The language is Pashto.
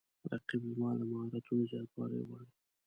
رقیب زما د مهارتونو زیاتوالی غواړي